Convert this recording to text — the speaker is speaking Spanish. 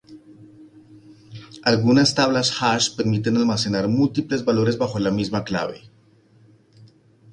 Algunas tablas "hash" permiten almacenar múltiples valores bajo la misma clave.